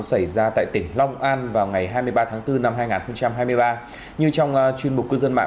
xảy ra tại tỉnh long an vào ngày hai mươi ba tháng bốn năm hai nghìn hai mươi ba như trong chuyên mục cư dân mạng